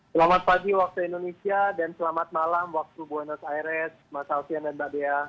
selamat pagi waktu indonesia dan selamat malam waktu buenos aires mas alfian dan mbak dea